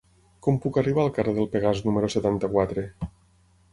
Com puc arribar al carrer del Pegàs número setanta-quatre?